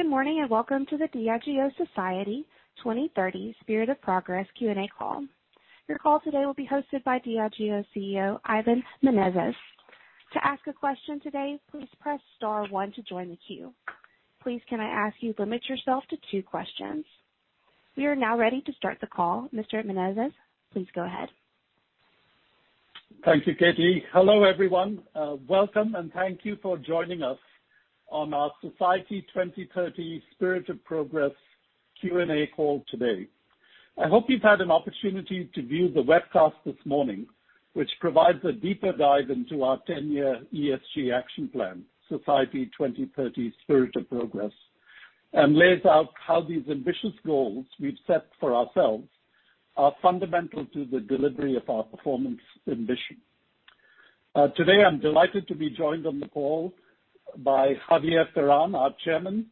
Good morning, and welcome to the Diageo Society 2030: Spirit of Progress Q&A call. Your call today will be hosted by Diageo CEO, Ivan Menezes. To ask a question today, please press star one to join the queue. Please, can I ask you, limit yourself to two questions. We are now ready to start the call. Mr. Menezes, please go ahead. Thank you, Katie. Hello, everyone. Welcome, and thank you for joining us on our Society 2030: Spirit of Progress Q&A call today. I hope you've had an opportunity to view the webcast this morning, which provides a deeper dive into our 10-year ESG action plan, Society 2030: Spirit of Progress, and lays out how these ambitious goals we've set for ourselves are fundamental to the delivery of our performance ambition. Today, I'm delighted to be joined on the call by Javier Ferrán, our Chairman,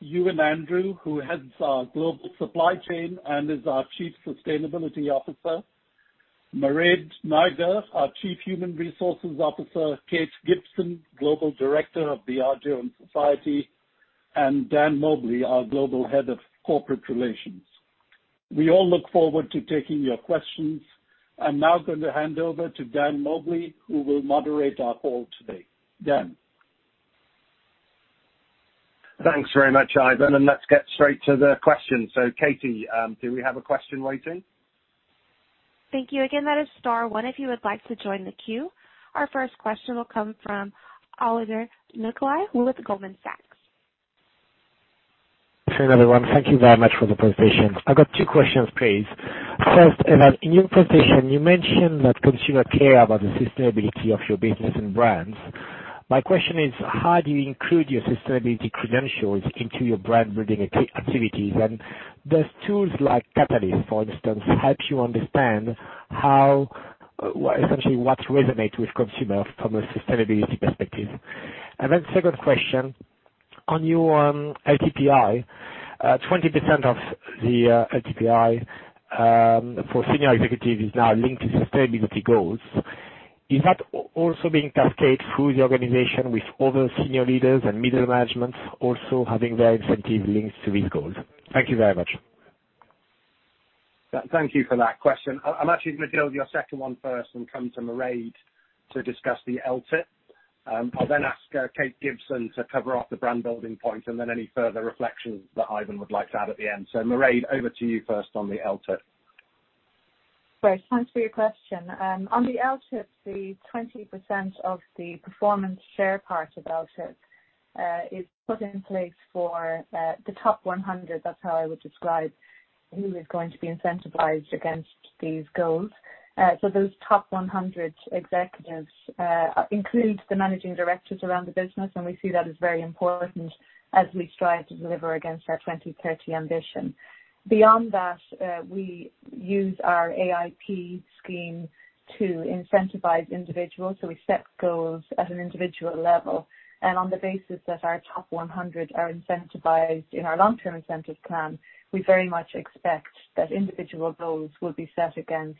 Ewan Andrew, who heads our Global Supply Chain and is our Chief Sustainability Officer, Mairéad Nayager, our Chief Human Resources Officer, Kate Gibson, Global Director of Diageo in Society, and Dan Mobley, our Global Head of Corporate Relations. We all look forward to taking your questions. I'm now going to hand over to Dan Mobley, who will moderate our call today. Dan. Thanks very much, Ivan, and let's get straight to the questions. Katie, do we have a question waiting? Thank you. Again, that is star one if you would like to join the queue. Our first question will come from Olivier Nicolai with Goldman Sachs. Thanks, everyone. Thank you very much for the presentation. I got two questions, please. First, Ivan, in your presentation, you mentioned that consumers care about the sustainability of your business and brands. My question is, how do you include your sustainability credentials into your brand-building activities, and does tools like Catalyst, for instance, help you understand, essentially, what resonates with consumers from a sustainability perspective? Then second question, on your LTIP, 20% of the LTIP, for senior executives, is now linked to sustainability goals. Is that also being cascaded through the organization with other senior leaders and middle management also having their incentive linked to these goals? Thank you very much. Thank you for that question. I'm actually going to deal with your second one first and come to Mairéad to discuss the LTIP. I'll then ask Kate Gibson to cover off the brand-building point and then any further reflections that Ivan would like to add at the end. Mairéad, over to you first on the LTIP. Great. Thanks for your question. On the LTIP, the 20% of the performance share part of LTIP is put in place for the top 100. That's how I would describe who is going to be incentivized against these goals. Those top 100 executives include the managing directors around the business, and we see that as very important as we strive to deliver against our 2030 ambition. Beyond that, we use our AIP scheme to incentivize individuals. We set goals at an individual level. On the basis that our top 100 are incentivized in our Long-Term Incentive Plan, we very much expect that individual goals will be set against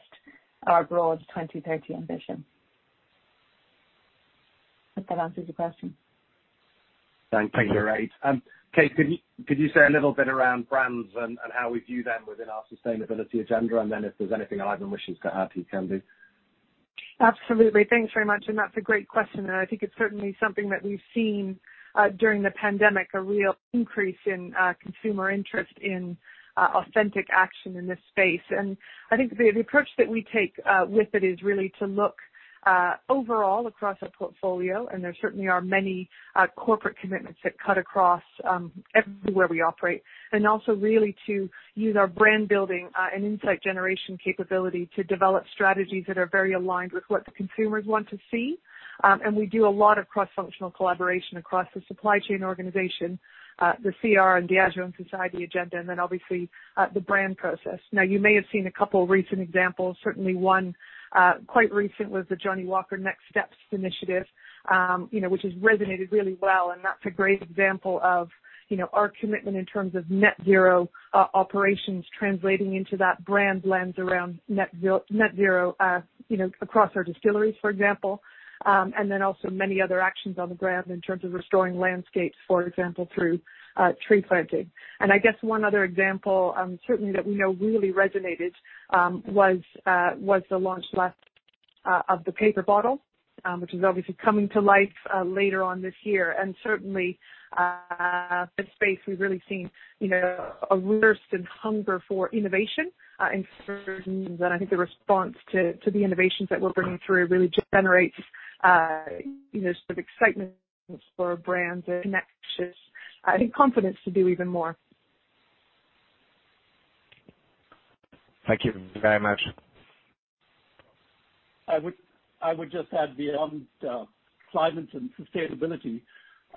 our broad 2030 ambition. Hope that answers your question. Thank you, Mairéad. Kate, could you say a little bit around brands and how we view them within our sustainability agenda, and then if there's anything Ivan wishes to add, he can do. Absolutely. Thanks very much, and that's a great question. I think it's certainly something that we've seen during the pandemic, a real increase in consumer interest in authentic action in this space. I think the approach that we take with it is really to look overall across our portfolio, and there certainly are many corporate commitments that cut across everywhere we operate. Also really to use our brand building and insight generation capability to develop strategies that are very aligned with what the consumers want to see. We do a lot of cross-functional collaboration across the supply chain organization, the CR and Diageo in Society agenda, and then obviously, the brand process. Now, you may have seen a couple of recent examples. Certainly, one quite recent was the Johnnie Walker Next Steps initiative, which has resonated really well. That's a great example of our commitment in terms of net zero operations translating into that brand lens around net zero across our distilleries, for example. Also many other actions on the ground in terms of restoring landscapes, for example, through tree planting. I guess one other example, certainly that we know really resonated, was the launch last of the paper bottle, which is obviously coming to life later on this year. Certainly, this space we've really seen a thirst and hunger for innovation in certain means. I think the response to the innovations that we're bringing through really generates sort of excitement for our brands and connections. I think confidence to do even more. Thank you very much. I would just add beyond climate and sustainability.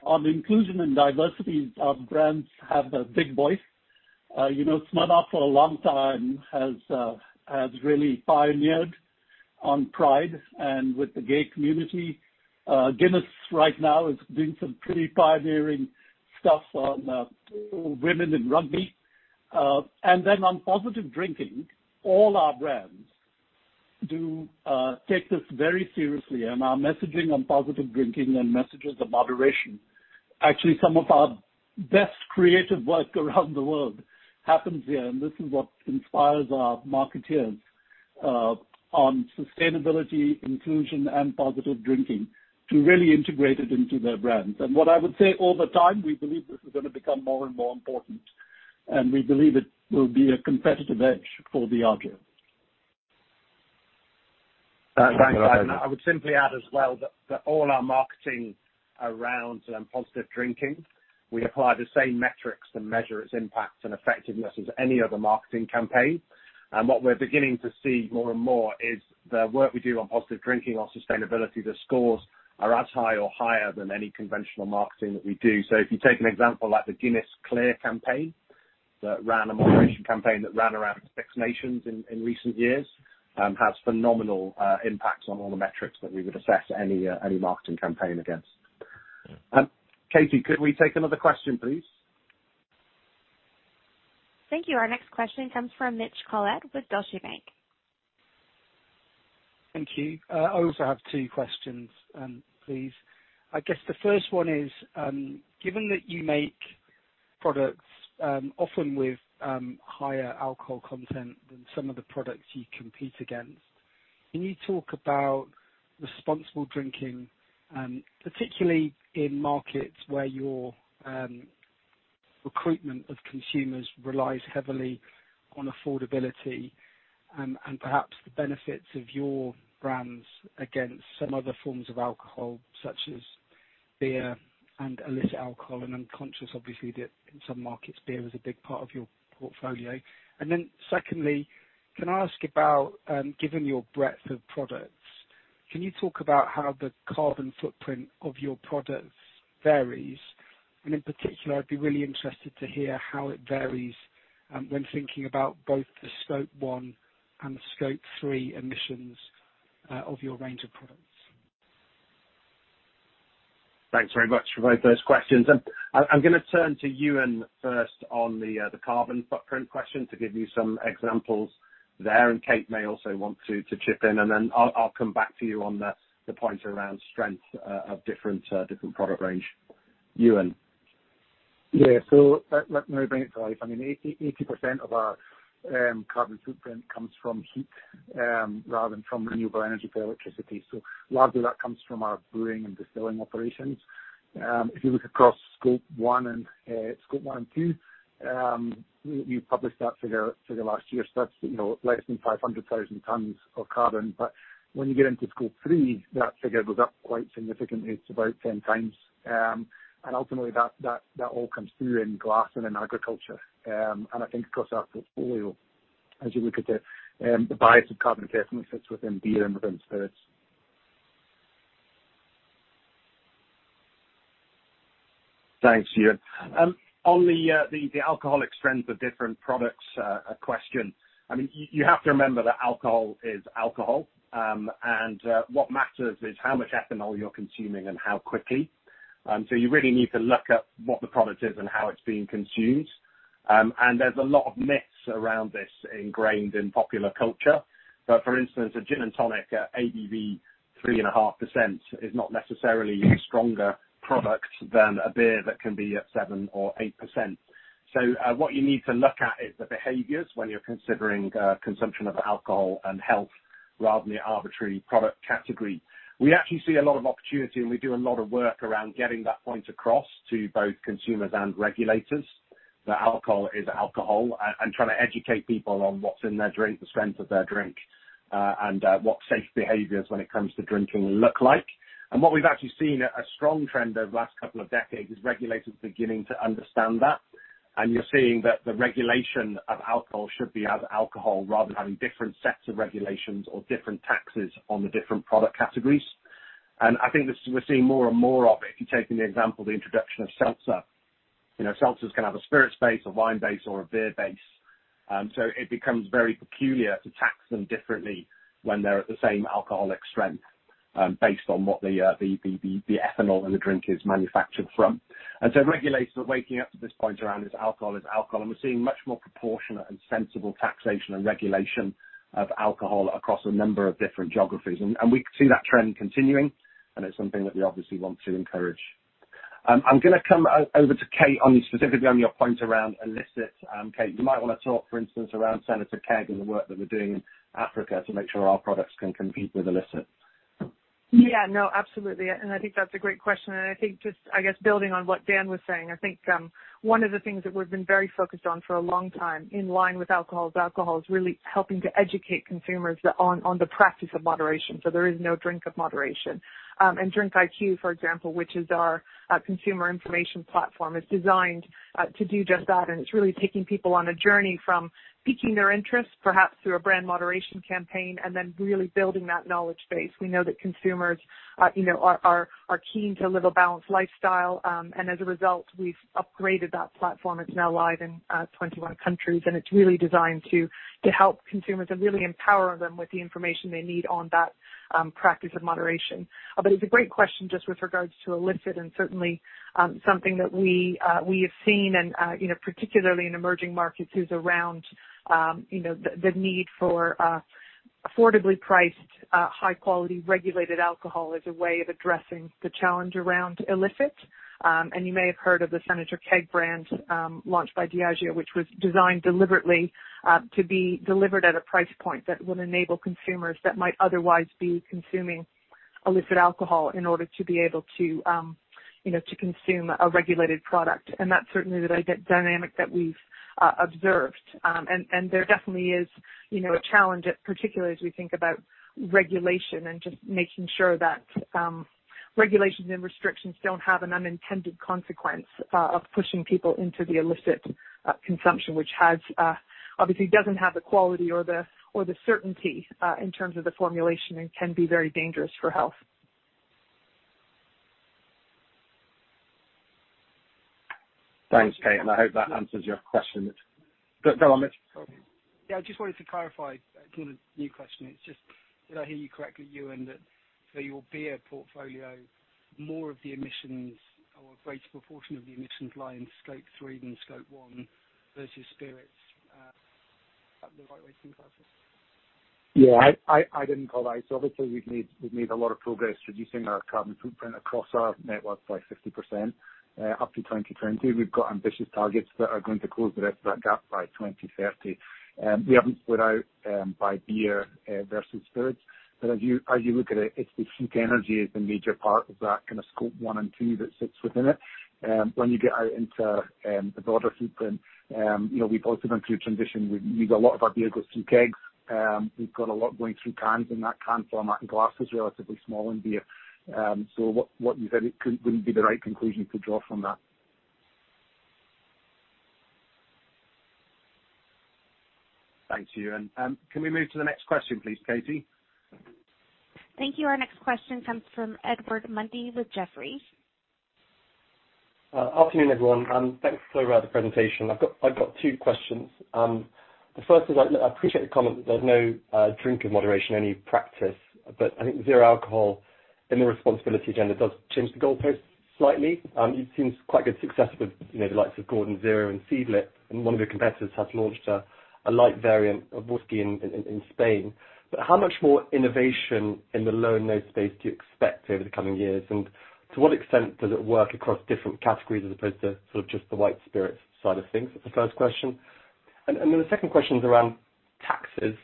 On inclusion and diversity, our brands have a big voice. Smirnoff for a long time has really pioneered on Pride and with the gay community. Guinness right now is doing some pretty pioneering stuff on women in rugby. On positive drinking, all our brands. Do take this very seriously and our messaging on positive drinking and messages of moderation. Actually, some of our best creative work around the world happens here, and this is what inspires our marketeers on sustainability, inclusion, and positive drinking to really integrate it into their brands. What I would say all the time, we believe this is going to become more and more important, and we believe it will be a competitive edge for Diageo. Thanks, Ivan. I would simply add as well that all our marketing around positive drinking, we apply the same metrics to measure its impact and effectiveness as any other marketing campaign. What we're beginning to see more and more is the work we do on positive drinking or sustainability, the scores are as high or higher than any conventional marketing that we do. If you take an example like the Guinness Clear campaign, the responsible drinking campaign that ran around specifications in recent years, has phenomenal impacts on all the metrics that we would assess any marketing campaign against. Katie, could we take another question, please? Thank you. Our next question comes from Mitch Collett with Deutsche Bank. Thank you. I also have two questions, please. I guess the first one is, given that you make products often with higher alcohol content than some of the products you compete against. Can you talk about responsible drinking, particularly in markets where your recruitment of consumers relies heavily on affordability and perhaps the benefits of your brands against some other forms of alcohol, such as beer and illicit alcohol? I'm conscious, obviously, that in some markets, beer is a big part of your portfolio. Then secondly, can I ask about, given your breadth of products, can you talk about how the carbon footprint of your products varies? In particular, I'd be really interested to hear how it varies when thinking about both the Scope 1 and Scope 3 emissions of your range of products. Thanks very much for both those questions. I'm going to turn to Ewan first on the carbon footprint question to give you some examples there, and Kate may also want to chip in, and then I'll come back to you on the point around strength of different product range. Ewan? Yeah. No brainer, I mean, 80% of our carbon footprint comes from heat rather than from renewable energy for electricity. Largely that comes from our brewing and distilling operations. If you look across Scope 1 and Scope 2, we published that figure last year, less than 500,000 tons of carbon. When you get into Scope 3, that figure goes up quite significantly to about 10x. Ultimately, that all comes through in glass and in agriculture. I think across our portfolio, as you look at it, the bias of carbon definitely sits within beer and within spirits. Thanks, Ewan. On the alcoholic strengths of different products question, you have to remember that alcohol is alcohol, and what matters is how much ethanol you're consuming and how quickly. You really need to look at what the product is and how it's being consumed. There's a lot of myths around this ingrained in popular culture. For instance, a gin and tonic at ABV 3.5% is not necessarily a stronger product than a beer that can be at 7% or 8%. What you need to look at is the behaviors when you're considering consumption of alcohol and health rather than the arbitrary product category. We actually see a lot of opportunity, and we do a lot of work around getting that point across to both consumers and regulators, that alcohol is alcohol and trying to educate people on what's in their drink, the strength of their drink, and what safe behaviors when it comes to drinking will look like. What we've actually seen a strong trend over the last couple of decades is regulators beginning to understand that. You're seeing that the regulation of alcohol should be alcohol rather than having different sets of regulations or different taxes on the different product categories. I think we're seeing more and more of it. If you're taking the example of the introduction of seltzer. Seltzers can have a spirit base, a wine base, or a beer base. It becomes very peculiar to tax them differently when they're at the same alcoholic strength based on what the ethanol in the drink is manufactured from. Regulators are waking up to this point around, is alcohol is alcohol. We're seeing much more proportionate and sensible taxation and regulation of alcohol across a number of different geographies. We can see that trend continuing, and it's something that we obviously want to encourage. I'm going to come over to Kate specifically on your point around illicit. Kate, you might want to talk, for instance, around Senator Keg and the work that we're doing in Africa to make sure our products can compete with illicit. Yeah. No, absolutely. I think that's a great question. I think building on what Dan was saying, one of the things that we've been very focused on for a long time in line with alcohol is really helping to educate consumers on the practice of moderation. There is no drink of moderation. DRINKiQ, for example, which is our consumer information platform, is designed to do just that. It's really taking people on a journey from peaking their interest, perhaps through a brand moderation campaign, and then really building that knowledge base. We know that consumers are keen to a little balanced lifestyle. As a result, we've upgraded that platform. It's now live in 21 countries, and it's really designed to help consumers and really empower them with the information they need on that practice of moderation. It's a great question just with regards to illicit and certainly something that we have seen, and particularly in emerging markets, is around the need for affordably priced, high quality regulated alcohol as a way of addressing the challenge around illicit. You may have heard of the Senator Keg brand, launched by Diageo, which was designed deliberately to be delivered at a price point that would enable consumers that might otherwise be consuming illicit alcohol in order to be able to consume a regulated product. That's certainly the dynamic that we've observed. There definitely is a challenge, particularly as we think about regulation and just making sure that regulations and restrictions don't have an unintended consequence of pushing people into the illicit consumption, which obviously doesn't have the quality or the certainty in terms of the formulation and can be very dangerous for health. Thanks, Kate. I hope that answers your question. Go on then. Yeah. I just wanted to clarify, just a new question. Did I hear you correctly, Ewan, that for your beer portfolio, more of the emissions or a greater proportion of the emissions lie in Scope 3 than Scope 1 versus spirits at the right rating process? I didn't call out. Obviously we've made a lot of progress reducing our carbon footprint across our network by 50% up to 2020. We've got ambitious targets that are going to close the rest of that gap by 2030. We haven't split out by beer versus spirits. As you look at it's the heat energy is a major part of that kind of Scope 1 and 2 that sits within it. When you get out into the broader footprint, we've also gone through a transition where we get a lot of our beer goes through kegs. We've got a lot going through cans, and that can format and glass is relatively small in beer. What you said wouldn't be the right conclusion to draw from that. Thank you. Can we move to the next question, please, Katie? Thank you. Our next question comes from Edward Mundy with Jefferies. Afternoon, everyone. Thanks for the presentation. I've got two questions. The first is I appreciate the comment that there's no drink in moderation, only practice. I think zero alcohol in the responsibility agenda does change the goalposts slightly. It seems quite a success with the likes of Gordon's 0.0% and Seedlip, and one of your competitors has launched a light variant of whiskey in Spain. How much more innovation in the low and no space do you expect over the coming years, and to what extent does it work across different categories as opposed to just the white spirits side of things? That's the first question. The second question is around taxes,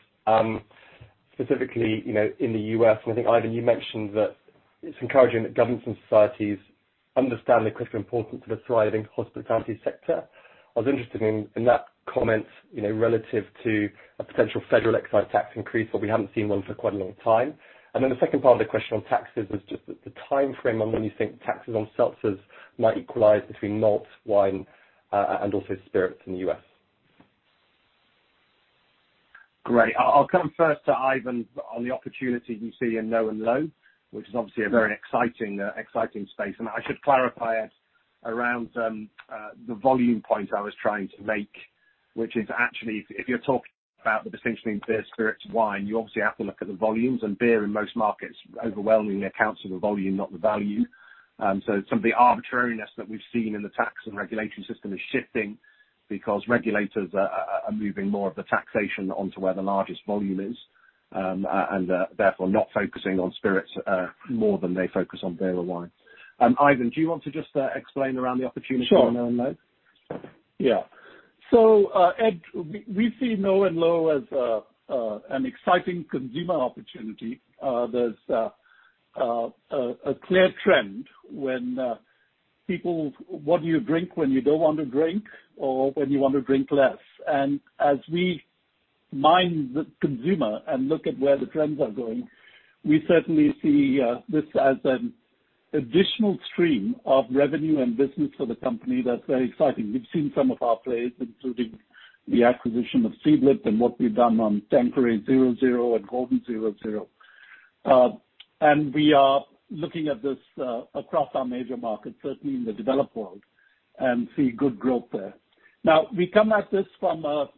specifically in the U.S. I think, Ivan, you mentioned that it's encouraging that governments and societies understand the critical importance of a thriving hospitality sector. I was interested in that comment, relative to a potential federal excise tax increase, but we haven't seen one for quite a long time. The second part of the question on taxes is just the timeframe on when you think taxes on seltzers might equalize between malts, wine, and also spirits in the U.S. Great. I'll come first to Ivan on the opportunity you see in low and no, which is obviously a very exciting space. I should clarify around the volume point I was trying to make, which is actually, if you're talking about the distinction between beer, spirits, wine, you obviously have to look at the volumes. Beer in most markets overwhelmingly accounts for the volume, not the value. Some of the arbitrariness that we've seen in the tax and regulation system is shifting because regulators are moving more of the taxation onto where the largest volume is, and therefore not focusing on spirits more than they focus on beer or wine. Ivan, do you want to just explain around the opportunity for low and no? Sure. Yeah. Ed, we see no and low as an exciting consumer opportunity. There's a clear trend: What do you drink when you don't want to drink or when you want to drink less? As we mind the consumer and look at where the trends are going, we certainly see this as an additional stream of revenue and business for the company. That's very exciting. We've seen some of our plays, including the acquisition of Seedlip and what we've done on Tanqueray 0.0% and Gordon's 0.0%. We are looking at this across our major markets, certainly in the developed world, and see good growth there. We come at this from an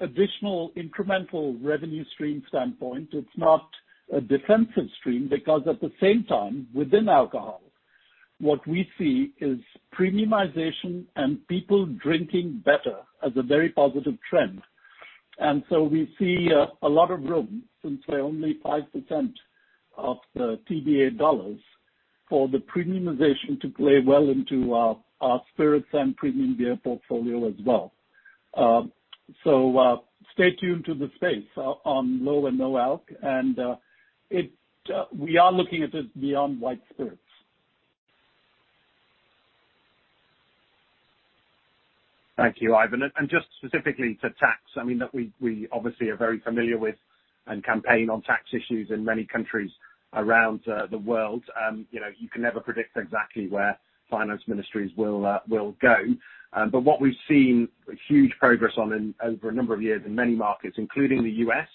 additional incremental revenue stream standpoint. It's not a defensive stream because at the same time, within alcohol, what we see is premiumization and people drinking better as a very positive trend. We see a lot of room since they're only 5% of the TBA dollars for the premiumization to play well into our spirits and premium beer portfolio as well. Stay tuned to the space on low and no alc, and we are looking at it beyond white spirits. Thank you, Ivan. Just specifically to tax, I mean, we obviously are very familiar with and campaign on tax issues in many countries around the world. You can never predict exactly where finance ministries will go. What we've seen huge progress on over a number of years in many markets, including the U.S.,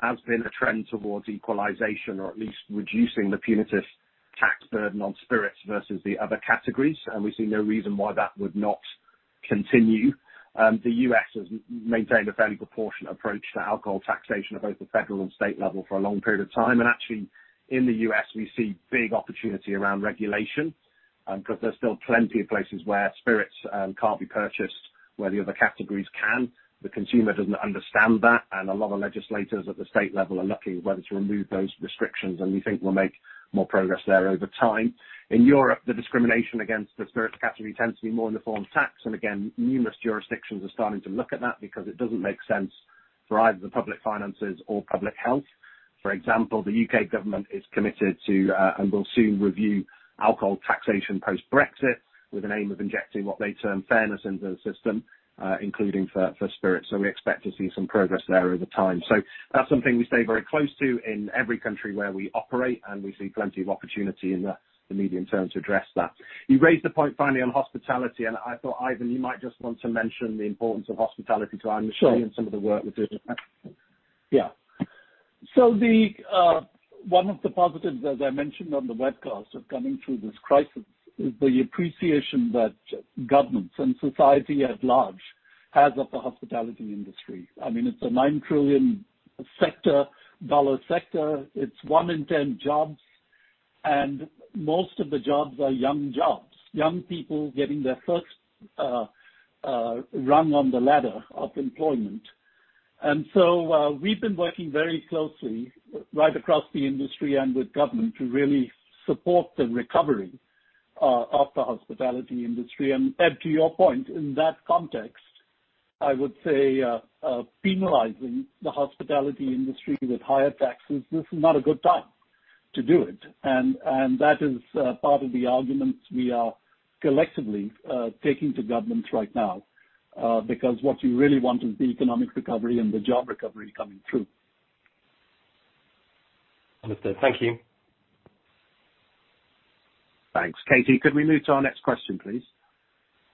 has been a trend towards equalization or at least reducing the punitive tax burden on spirits versus the other categories. We see no reason why that would not continue. The U.S. has maintained a very proportionate approach to alcohol taxation at both the federal and state level for a long period of time. Actually, in the U.S., we see big opportunity around regulation. There's still plenty of places where spirits can't be purchased where the other categories can. The consumer doesn't understand that, and a lot of legislators at the state level are looking at whether to remove those restrictions, and we think we'll make more progress there over time. In Europe, the discrimination against the spirits category tends to be more on the form of tax. Again, numerous jurisdictions are starting to look at that because it doesn't make sense for either the public finances or public health. For example, the U.K. government is committed to, and will soon review alcohol taxation post-Brexit with an aim of injecting what they term fairness into the system, including for spirits. We expect to see some progress there over time. That's something we stay very close to in every country where we operate, and we see plenty of opportunity in the medium term to address that. You raised a point finally on hospitality, and I thought Ivan, you might just want to mention the importance of hospitality to our mission. Sure Some of the work we're doing. Yeah. One of the positives, as I mentioned on the webcast, of coming through this crisis is the appreciation that governments and society at large has of the hospitality industry. I mean, it's a 9 trillion sector. It's one in 10 jobs, and most of the jobs are young jobs. Young people getting their first rung on the ladder of employment. We've been working very closely right across the industry and with government to really support the recovery of the hospitality industry. To your point, in that context, I would say, penalizing the hospitality industry with higher taxes, this is not a good time to do it. That is part of the arguments we are collectively taking to governments right now. What you really want is the economic recovery and the job recovery coming through. Understood. Thank you. Thanks. Katie, could we move to our next question, please?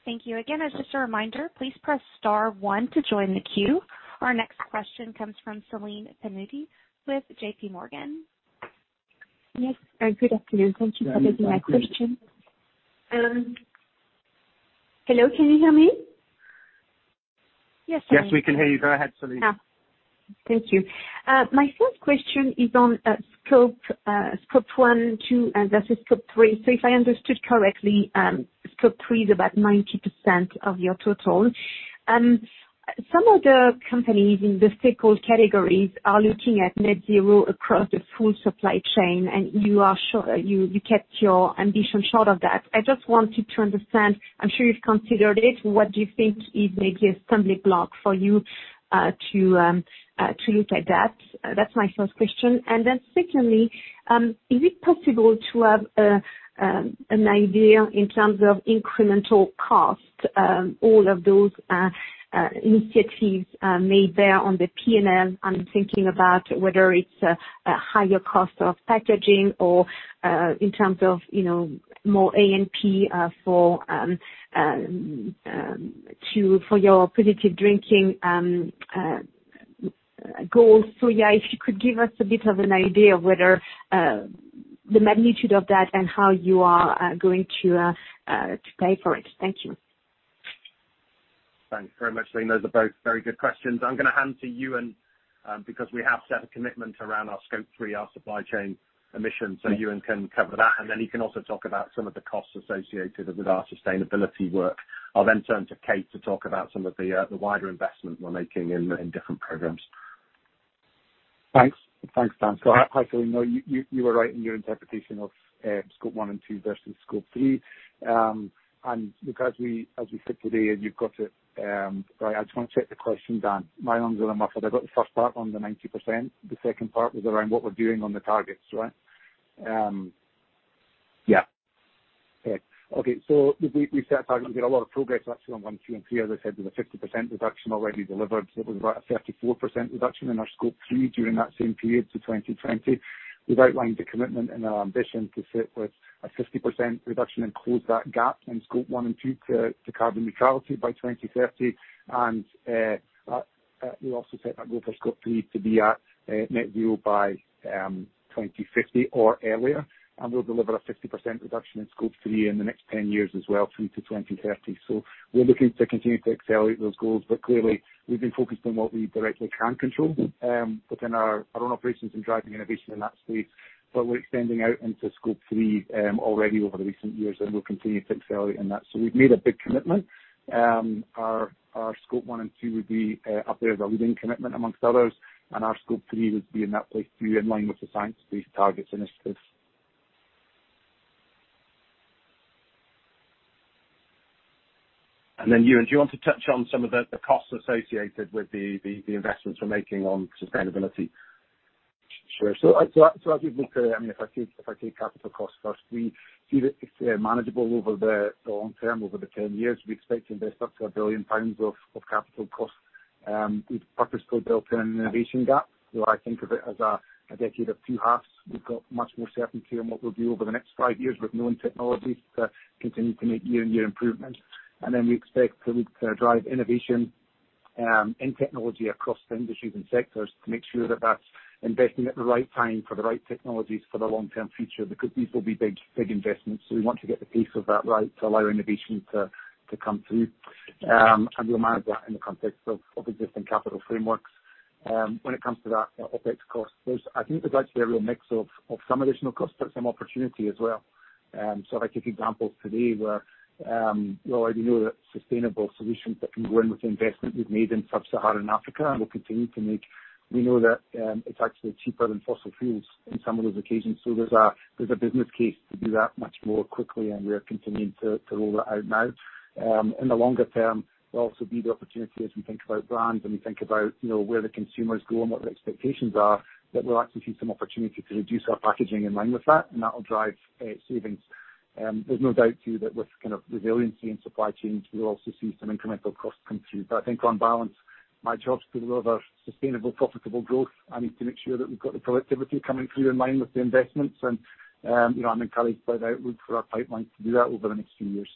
Thank you. Again, as just a reminder, please press star one to join the queue. Our next question comes from Celine Pannuti with JPMorgan. Yes. Good afternoon. Thank you for taking my question. Hello, can you hear me? Yes, we can hear you. Go ahead, Celine. Thank you. My first question is on Scope 1, 2, and also Scope 3. If I understood correctly, Scope 3 is about 90% of your total. Some of the companies in the similar categories are looking at net zero across the full supply chain. You kept your ambition short of that. I just wanted to understand, I'm sure you've considered it, what you think is maybe a stumbling block for you to look at that? That's my first question. Secondly, is it possible to have an idea in terms of incremental cost, all of those initiatives made there on the P&L? I'm thinking about whether it's a higher cost of packaging or in terms of more A&P for your positive drinking goals. If you could give us a bit of an idea of the magnitude of that and how you are going to pay for it. Thank you. Thanks very much, Celine. Those are both very good questions. I'm going to hand to Ewan because we have set a commitment around our Scope 3, our supply chain emissions, so Ewan can cover that, and then he can also talk about some of the costs associated with our sustainability work. I'll turn to Kate to talk about some of the wider investments we're making in different programs. Thanks. Hi, Celine. You were right in your interpretation of Scope 1 and 2 versus Scope 3. Look, as we said today, I just want to check the question, Dan. My own little marker, I got the first part on the 90%. The second part was around what we're doing on the targets, right? Yeah. Okay. We set out a lot of progress actually on one, two, and three. As I said, there's a 50% reduction already delivered. There was about a 34% reduction in our Scope 3 during that same period, 2020. We've outlined a commitment and an ambition to sit with a 50% reduction and close that gap in Scope 1 and 2 to carbon neutrality by 2030. We also set that goal for Scope 3 to be at net zero by 2050 or earlier. We'll deliver a 50% reduction in Scope 3 in the next 10 years as well through to 2030. We're looking to continue to accelerate those goals. Clearly, we've been focused on what we directly can control within our own operations and driving innovation in that space. We're extending out into Scope 3 already over recent years, and we'll continue to accelerate in that. We've made a big commitment. Our Scope 1 and 2 would be up there as a leading commitment amongst others, and our Scope 3 would be in line with the science-based targets initiatives. Ewan, do you want to touch on some of the costs associated with the investments we're making on sustainability? Sure. I'd look, if I take capital costs first, we see that it's manageable over the long term, over the 10 years. We expect to invest up to 1 billion pounds of capital costs. We've purposefully built in an innovation gap. I think of it as a decade of two halves. We've got much more certainty on what we'll do over the next five years with known technology to continue to make year-on-year improvements. We expect to drive innovation in technology across industries and sectors to make sure that that's investing at the right time for the right technologies for the long-term future, because these will be big investments. We want to get the pace of that right to allow innovation to come through. We'll manage that in the context of existing capital frameworks. When it comes to that OpEx cost, I think there's actually a real mix of some additional cost, but some opportunity as well. I take examples today where we already know that sustainable solutions that can go in with the investment we've made in sub-Saharan Africa and will continue to make, we know that it's actually cheaper than fossil fuels in some of those locations. There's a business case to do that much more quickly, and we're continuing to roll that out now. In the longer term, there'll also be the opportunity as we think about brands and we think about where the consumers go and what their expectations are, that we'll actually see some opportunity to reduce our packaging in line with that, and that'll drive savings. There's no doubt too that with resiliency in supply chains, we'll also see some incremental cost coming through. I think on balance, my job is to deliver sustainable, profitable growth. I need to make sure that we've got the productivity coming through in line with the investments, and I'm encouraged by the outlook for our pipeline to do that over the next few years.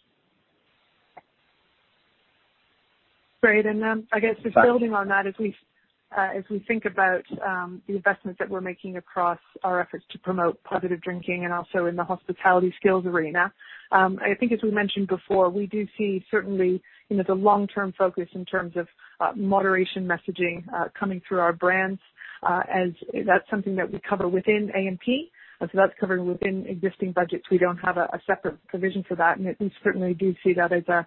Great. I guess just building on that, if we think about the investments that we're making across our efforts to promote positive drinking and also in the hospitality skills arena, I think as we mentioned before, we do see certainly the long-term focus in terms of moderation messaging coming through our brands, as that's something that we cover within A&P. That's covered within existing budgets. We don't have a separate provision for that. We certainly do see that as a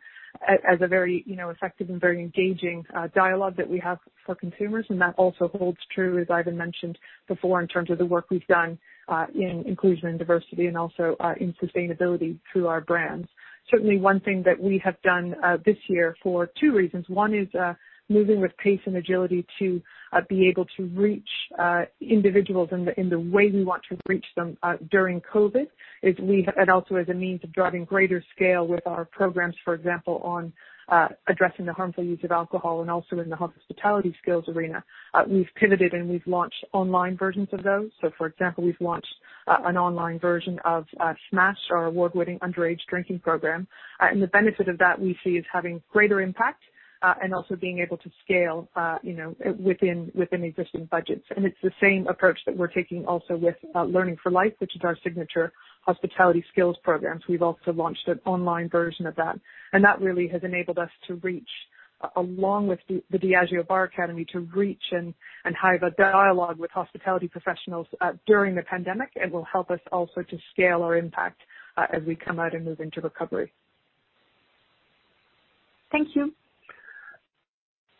very effective and very engaging dialogue that we have for consumers. That also holds true, as Ivan mentioned before, in terms of the work we've done in inclusion and diversity and also in sustainability through our brands. Certainly, one thing that we have done this year for two reasons, one is moving with pace and agility to be able to reach individuals in the way we want to reach them during COVID, and also as a means of driving greater scale with our programs, for example, on addressing the harmful use of alcohol and also in the hospitality skills arena. We've pivoted, and we've launched online versions of those. For example, we've launched an online version of SMASHED, our award-winning underage drinking program. The benefit of that we see is having greater impact and also being able to scale within existing budgets. It's the same approach that we're taking also with Learning for Life, which is our signature hospitality skills programs. We've also launched an online version of that. That really has enabled us, along with the Diageo Bar Academy, to reach and have a dialogue with hospitality professionals during the pandemic and will help us also to scale our impact as we come out and move into recovery. Thank you.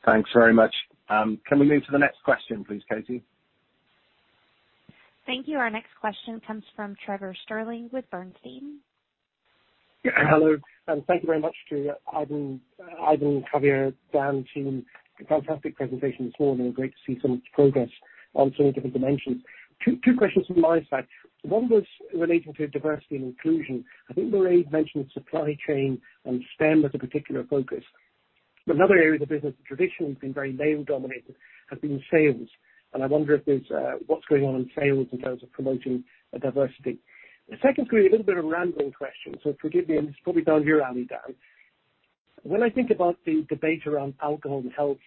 Thanks very much. Can we move to the next question, please, Katie? Thank you. Our next question comes from Trevor Stirling with Bernstein. Hello, and thank you very much to Ivan, Javier, Dan, team. Fantastic presentation as well, and great to see so much progress on so many different dimensions. Two questions from my side. One was related to diversity and inclusion. I think Mairéad mentioned supply chain and STEM as a particular focus. Another area of the business that traditionally has been very male-dominated has been sales. I wonder what's going on in sales in terms of promoting diversity. Secondly, a little bit of a random question, so forgive me, and this is probably down your alley, Dan. When I think about the debate around alcohol and health,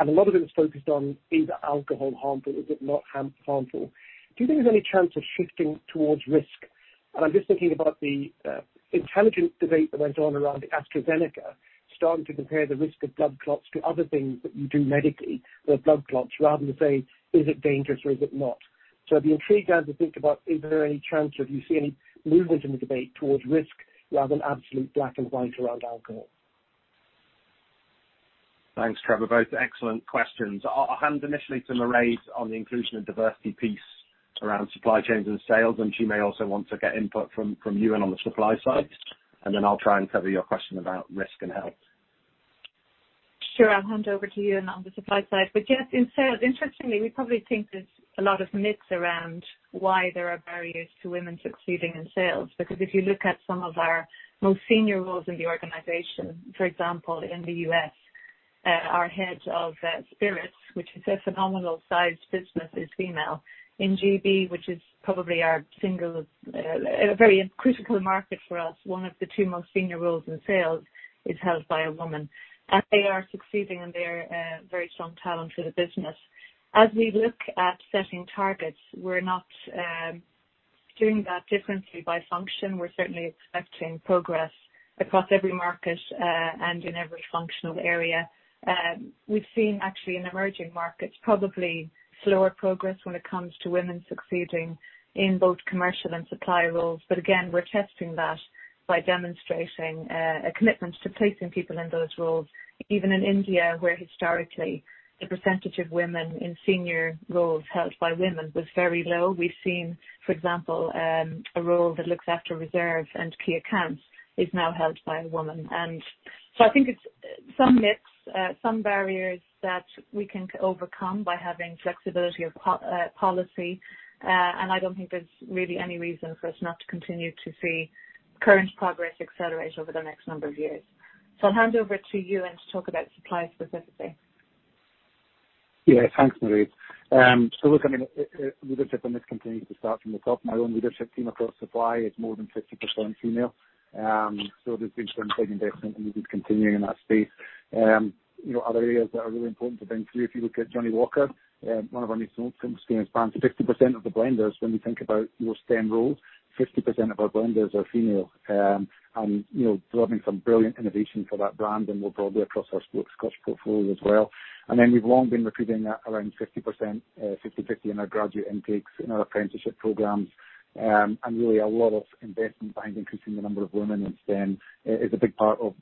and a lot of it is focused on is alcohol harmful, is it not harmful? Do you think there's any chance of shifting towards risk? I'm just thinking about the intelligent debate that went on around AstraZeneca, starting to compare the risk of blood clots to other things that you do medically for blood clots rather than say, "Is it dangerous or is it not?" I'd be intrigued, Dan, to think about is there any chance of, do you see any movement in debate towards risk rather than absolute black and white around alcohol? Thanks, Trevor. Both excellent questions. I'll hand initially to Mairéad on the inclusion and diversity piece around supply chains and sales, and she may also want to get input from you on the supply side. Then I'll try and cover your question about risk and health. Sure. I'll hand over to you on the supply side. Yes, in sales, interestingly, we probably think there's a lot of myths around why there are barriers to women succeeding in sales. If you look at some of our most senior roles in the organization, for example, in the U.S., our head of spirits, which is a phenomenal sized business, is female. In GB, which is probably a very critical market for us, one of the two most senior roles in sales is held by a woman. They are succeeding, and they're very strong talent for the business. As we look at setting targets, we're not doing that differently by function. We're certainly expecting progress across every market and in every functional area. We've seen actually in emerging markets, probably slower progress when it comes to women succeeding in both commercial and supply roles. Again, we're testing that by demonstrating a commitment to placing people in those roles. Even in India, where historically the percentage of women in senior roles held by women was very low. We've seen, for example, a role that looks after reserves and key accounts is now held by a woman. I think it's some myths, some barriers that we can overcome by having flexibility of policy, and I don't think there's really any reason for us not to continue to see current progress accelerate over the next number of years. I'll hand over to you, Ewan, to talk about supply specifically. Yeah. Thanks, Mairéad. Look, I mean, leadership and this continues to start from the top. My own leadership team across supply is more than 50% female. There's been some big investment, and we'll be continuing in that space. Other areas that are really important to bring through, if you look at Johnnie Walker, one of our most important premium brands, 50% of the blenders, when you think about those STEM roles, 50% of our blenders are female, and driving some brilliant innovation for that brand and more broadly across our spirits portfolio as well. We've long been recruiting at around 50%, 50/50 in our graduate intakes, in our apprenticeship programs. Really a lot of investment behind increasing the number of women in STEM is a big part of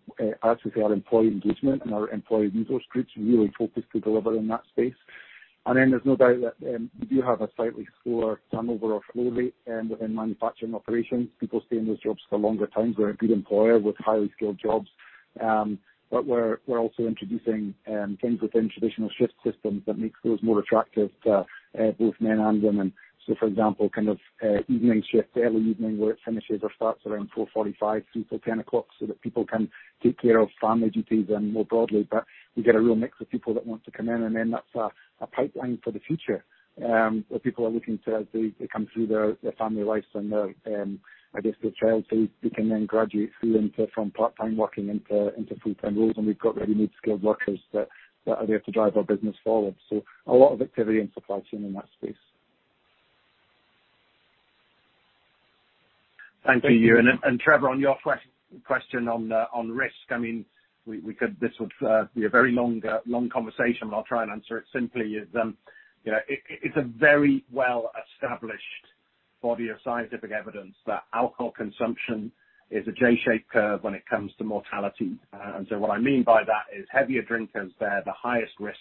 actually our employee engagement and our employee resource groups really focused to deliver in that space. There's no doubt that we do have a slightly slower turnover or flow rate within manufacturing operations. People stay in those jobs for a longer time. We're a good employer with highly skilled jobs. We're also introducing things with traditional shift systems that makes those more attractive to both men and women. For example, evening shift, early evening work, finish either starts around 4:45 through till 10:00, so that people can take care of family duties and more broadly. We get a real mix of people that want to come in, and then that's a pipeline for the future, that people are looking to as they come through their family life and their childhood. They can then graduate through into from part-time working into full-time roles, and we've got really good skilled workers that are there to drive our business forward. A lot of activity and supply chain in that space. Thank you, Ewan. Trevor, on your question on risk, this will be a very long conversation, but I'll try and answer it simply. It's a very well-established body of scientific evidence that alcohol consumption is a J-shaped curve when it comes to mortality. What I mean by that is heavier drinkers bear the highest risk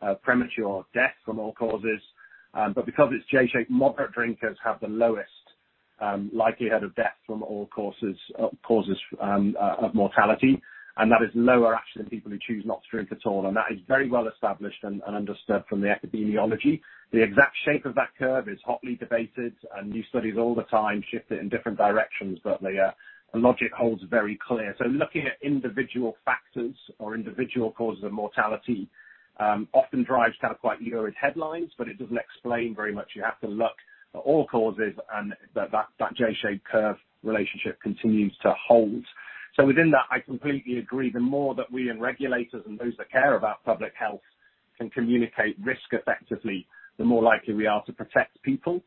of premature death from all causes. Because it's J-shaped, moderate drinkers have the lowest likelihood of death from all causes of mortality, and that is lower actually than people who choose not to drink at all. That is very well established and understood from the epidemiology. The exact shape of that curve is hotly debated, and new studies all the time shift it in different directions. The logic holds very clear. Looking at individual factors or individual causes of mortality often drives to have quite lurid headlines, but it doesn't explain very much. You have to look at all causes and that J-shaped curve relationship continues to hold. Within that, I completely agree. The more that we and regulators and those who care about public health can communicate risk effectively, the more likely we are to protect people.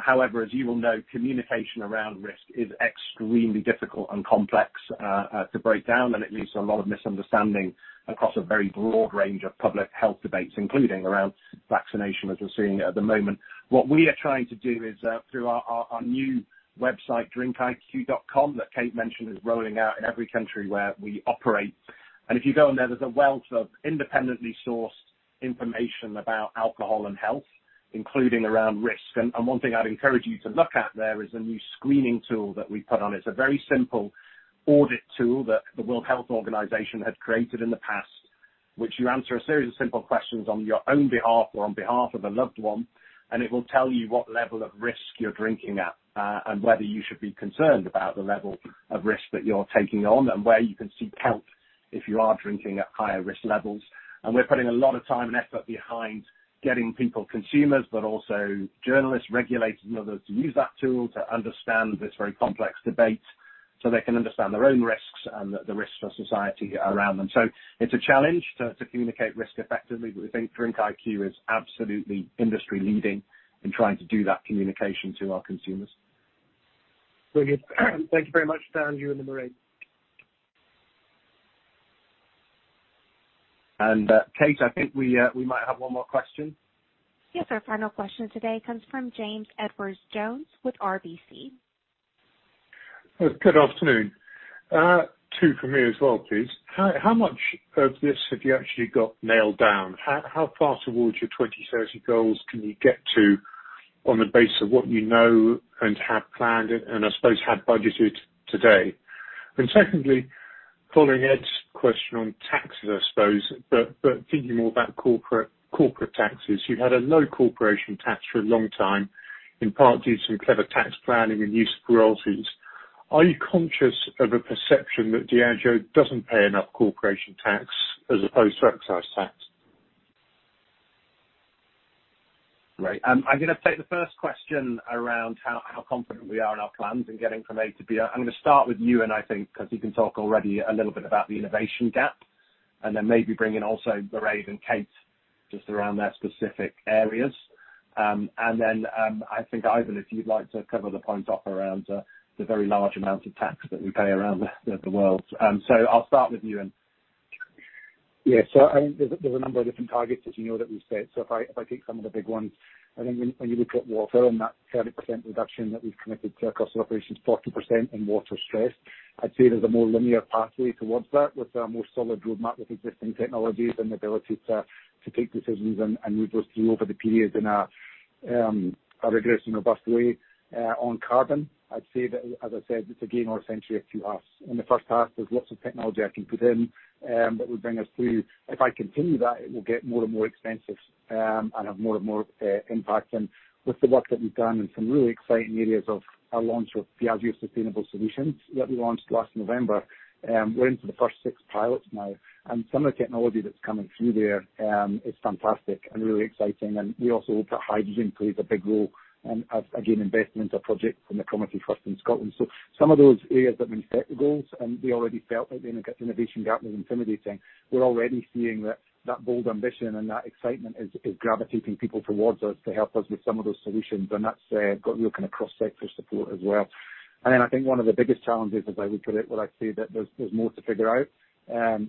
However, as you will know, communication around risk is extremely difficult and complex to break down, and it leads to a lot of misunderstanding across a very broad range of public health debates, including around vaccination, as we're seeing at the moment. What we are trying to do is through our new website, drinkiq.com, that Kate mentioned, is rolling out in every country where we operate. If you go on there's a wealth of independently sourced information about alcohol and health, including around risks. One thing I'd encourage you to look at there is a new screening tool that we put on. It's a very simple audit tool that the World Health Organization had created in the past, which you answer a series of simple questions on your own behalf or on behalf of a loved one, and it will tell you what level of risk you're drinking at, and whether you should be concerned about the level of risk that you're taking on and where you can seek help if you are drinking at higher risk levels. We're putting a lot of time and effort behind getting people, consumers, but also journalists, regulators, and others, to use that tool to understand this very complex debate so they can understand their own risks and the risks for society around them. It's a challenge to communicate risk effectively, but we think DRINKiQ is absolutely industry leading in trying to do that communication to our consumers. Brilliant. Thank you very much to Ewan and Mairéad. Kate, I think we might have one more question. Yes. Our final question today comes from James Edwardes Jones with RBC. Good afternoon. Two from me as well, please. How much of this have you actually got nailed down? How far towards your 2030 goals can you get to on the basis of what you know and have planned and I suppose have budgeted today? Secondly, following Ed's question on taxes, I suppose, but thinking more about corporate taxes. You've had a low corporation tax for a long time, in part due to some clever tax planning and use of royalties. Are you conscious of a perception that Diageo doesn't pay enough corporation tax as opposed to excise tax? Right. I'm going to take the first question around how confident we are in our plans and getting from A to B. I'm going to start with you, I think because you can talk already a little bit about the innovation gap, then maybe bring in also Mairéad and Kate just around their specific areas. I think, Ivan Menezes, if you'd like to cover the point off around the very large amount of tax that we pay around the world. I'll start with you, Ewan. Yeah. There's a number of different targets as you know, that we've set. If I take some of the big ones, I think when you look at water and that 30% reduction that we've committed to across operations, 40% in water stress, I'd say there's a more linear pathway towards that with a more solid roadmap of existing technologies and ability to take decisions and reduce over the period in a rigorous and robust way. On carbon, I'd say that as I said, it's a game of essentially a few halves. In the first half, there's lots of technology I can put in that will bring us through. If I continue that, it will get more and more expensive and have more and more impact. With the work that we've done in some really exciting areas of our launch of Diageo Sustainable Solutions that we launched last November. We're into the first six pilots now, some of the technology that's coming through there is fantastic and really exciting. We also hope that hydrogen plays a big role and again, investment, a project from the Coventry Trust in Scotland. Some of those areas that we set the goals and we already felt like the innovation gap was intimidating. We're already seeing that that bold ambition and that excitement is gravitating people towards us to help us with some of those solutions, and that's got real kind of cross-sector support as well. I think one of the biggest challenges, as I would put it, where I say that there's more to figure out,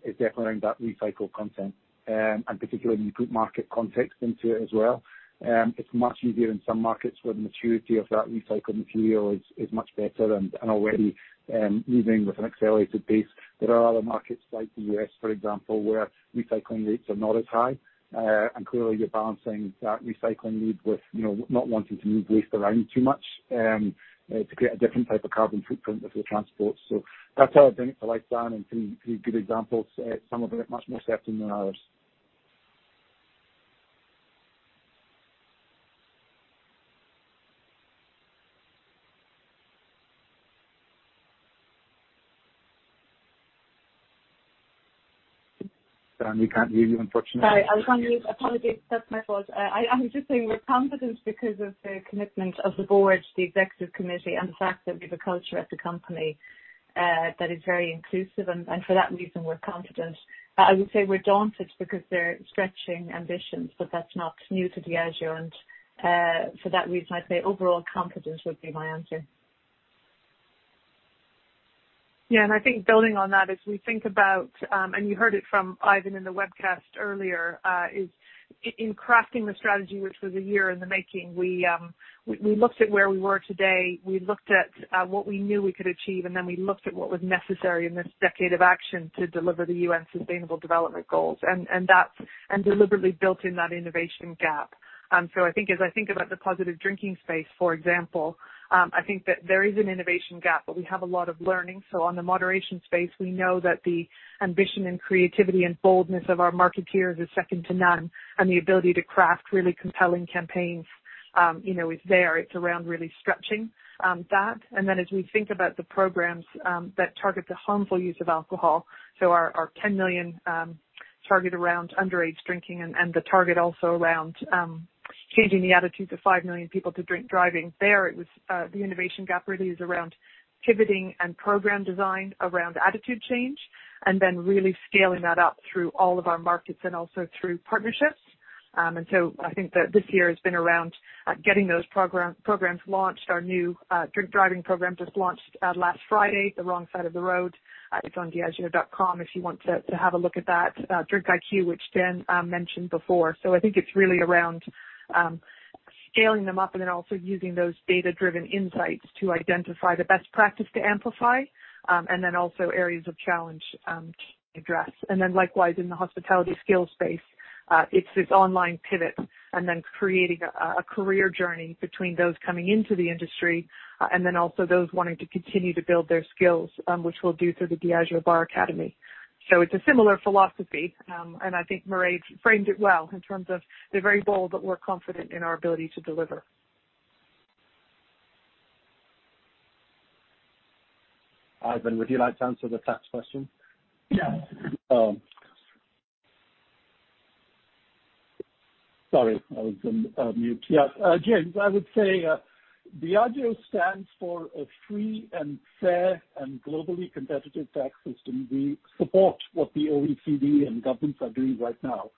is definitely around that recycled content. Particularly when you put market context into it as well, it's much easier in some markets where the maturity of that recycled material is much better and already moving with an accelerated pace. There are other markets like the U.S., for example, where recycling rates are not as high. Clearly, you're balancing that recycling need with not wanting to move waste around too much, to create a different type of carbon footprint with the transport. That's how I think, like Dan, three good examples. Some of it much more certain than others. Dan, we can't hear you, unfortunately. Sorry, I cannot hear you. I apologize if that is my fault. I am just saying we are confident because of the commitment of the board, the executive committee, and the fact that we have a culture as a company that is very inclusive. For that reason, we are confident. I would say we are daunted because they are stretching ambitions, but that is not new to Diageo. For that reason, I would say overall confidence would be my answer. Yeah, I think building on that, as we think about, and you heard it from Ivan in the webcast earlier, is in crafting the strategy, which was a year in the making, we looked at where we were today, we looked at what we knew we could achieve, and then we looked at what was necessary in this decade of action to deliver the UN Sustainable Development Goals and deliberately built in that innovation gap. I think as I think about the positive drinking space, for example, I think that there is an innovation gap, but we have a lot of learning. So on the moderation space, we know that the ambition and creativity and boldness of our marketeers is second to none and the ability to craft really compelling campaigns is there. It's around really stretching that. Then as we think about the programs that target the harmful use of alcohol, so our 10 million target around underage drinking and the target also around changing the attitudes of five million people to drink driving. There, it was the innovation gap really is around pivoting and program design around attitude change, and then really scaling that up through all of our markets and also through partnerships. I think that this year has been around getting those programs launched. Our new drink driving programme just launched last Friday, The Wrong Side of the Road. It's on diageo.com if you want to have a look at that. DRINKiQ, which Dan mentioned before. I think it's really around scaling them up and then also using those data-driven insights to identify the best practice to amplify, and then also areas of challenge to address. Likewise, in the hospitality skill space, it's this online pivot and then creating a career journey between those coming into the industry and then also those wanting to continue to build their skills, which we'll do through the Diageo Bar Academy. It's a similar philosophy, and I think Mairéad framed it well in terms of they're very bold, but we're confident in our ability to deliver. Ivan, would you like to answer the tax question? Yes. Sorry, I was on mute. Yeah. James, I would say Diageo stands for a free and fair and globally competitive tax system. We support what the OECD and governments are doing right now,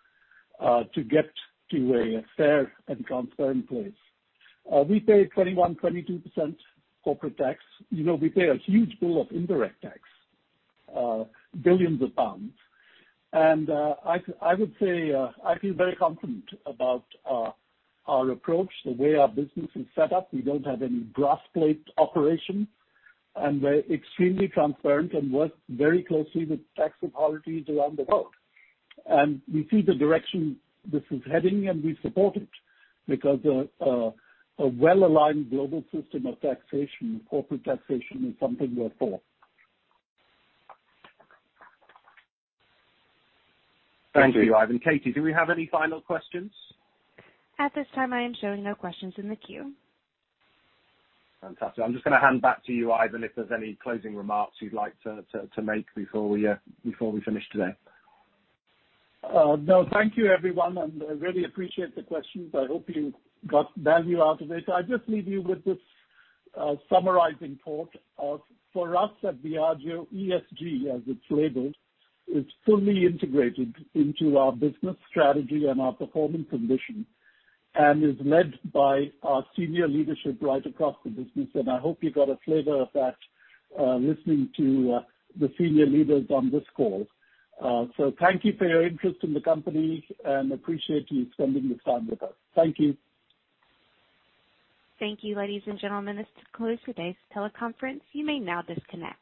to get to a fair and transparent place. We pay 21%, 22% corporate tax. We pay a huge bill of indirect tax, billions of GBP. I would say, I feel very confident about our approach, the way our business is set up. We don't have any brass plate operations, and we're extremely transparent and work very closely with tax authorities around the world. We see the direction this is heading, and we support it because a well-aligned global system of taxation, corporate taxation, is something we're for. Thank you, Ivan. Katie, do we have any final questions? At this time, I am showing no questions in the queue. Fantastic. I'm just going to hand back to you, Ivan, if there's any closing remarks you'd like to make before we finish today. No. Thank you, everyone. I really appreciate the questions. I hope you got value out of it. I just leave you with this summarizing thought. For us at Diageo, ESG, as it's labeled, is fully integrated into our business strategy and our performance ambition and is led by our senior leadership right across the business. I hope you got a flavor of that, listening to the senior leaders on this call. Thank you for your interest in the company and appreciate you spending this time with us. Thank you. Thank you, ladies and gentlemen. This will close today's teleconference. You may now disconnect.